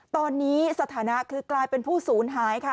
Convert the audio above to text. ตอนนี้สถานะคือกลายเป็นผู้ศูนย์หายค่ะ